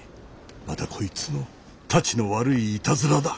またこいつのたちの悪いいたずらだ。